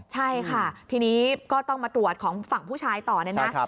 ใช่ค่ะทีนี้ก็ต้องมาตรวจของฝั่งผู้ชายต่อเนี่ยนะ